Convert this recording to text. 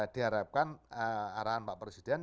diharapkan arahan pak presiden